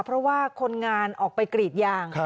เพราะว่าคนงานออกไปกรีดยาง